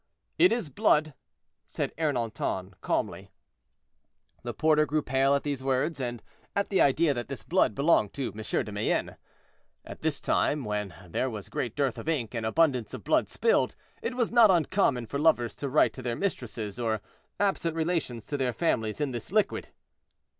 "It is blood," said Ernanton, calmly. The porter grew pale at these words, and at the idea that this blood belonged to M. de Mayenne. At this time, when there was great dearth of ink and abundance of blood spilled, it was not uncommon for lovers to write to their mistresses, or absent relations to their families, in this liquid.